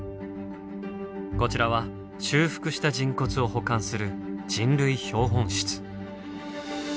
こちらは修復した人骨を保管する人類標本室。